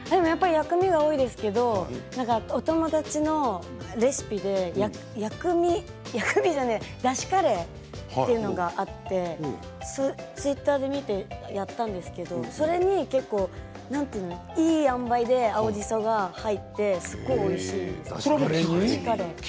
薬味が多いですけれどお友達のレシピでだしカレーというのがあってツイッターで見てやったんですけれどいいあんばいで青じそが入ってすごくおいしいんです。